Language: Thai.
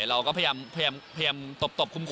เราก็พยายามตบคุ้มคม